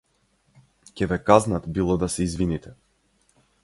Ќе ве казнат било да се извините.